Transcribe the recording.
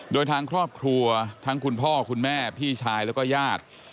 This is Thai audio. โดยทางครอบครัวทั้งคุณพ่อคุณแม่พี่ชายแล้วก็ญาติ